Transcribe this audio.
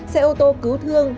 xe ô tô cứu thương